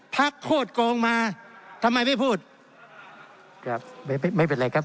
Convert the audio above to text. โคตรโกงมาทำไมไม่พูดครับไม่ไม่ไม่เป็นไรครับ